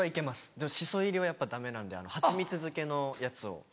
でもシソ入りはやっぱダメなんで蜂蜜漬けのやつを。